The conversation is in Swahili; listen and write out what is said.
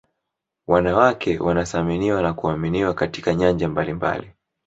wanawake wanasaminiwa na kuaminiwa katika nyanja mbalimbali